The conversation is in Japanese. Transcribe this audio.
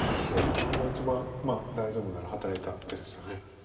これが一番大丈夫なら働いた手ですよね。